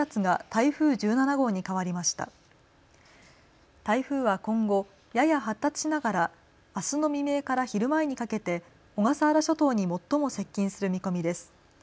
台風は今後、やや発達しながらあすの未明から昼前にかけて小笠原諸島に最も接近する見込みです。